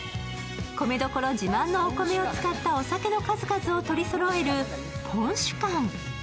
米どころ自慢のお米を使ったお酒の数々を取りそろえるぽんしゅ館。